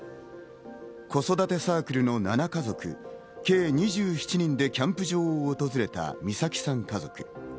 子育てサークルの７家族、計２７人でキャンプ場を訪れた美咲さん家族。